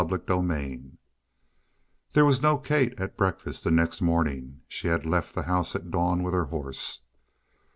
CHAPTER 28 There was no Kate at breakfast the next morning. She had left the house at dawn with her horse.